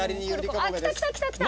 あっ来た来た来た来た！